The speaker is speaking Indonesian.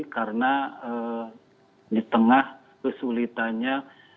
karena di tengah kesulitannya